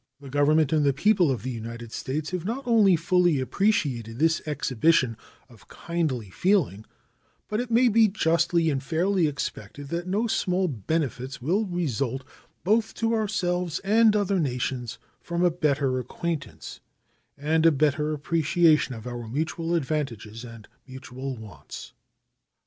The Government and people of the United States have not only fully appreciated this exhibition of kindly feeling, but it may be justly and fairly expected that no small benefits will result both to ourselves and other nations from a better acquaintance, and a better appreciation of our mutual advantages and mutual wants.